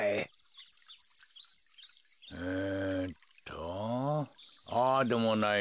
えっとああでもない